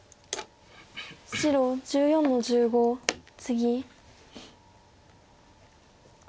白１４の十五ツギ。